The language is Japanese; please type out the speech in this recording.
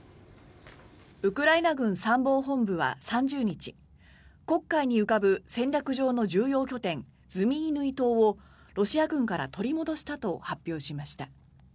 ウクライナ軍参謀本部は３０日黒海に浮かぶ戦略上の重要拠点ズミイヌイ島をロシア軍から取り戻したと発表しました。